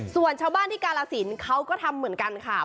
ส่วนชาวบ้านที่กาลสินเขาก็ทำเหมือนกันค่ะ